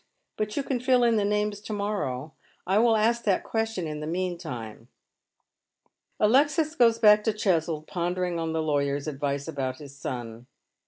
But you can fill in the names to morrow. I ^ill ask that question in the meantime." Alexis goes back to Cheswold pondering on the lawyer's advice about his son. Mr.